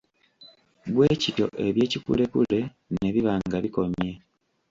Bwe bityo eby'ekikulekule ne biba nga bikomye.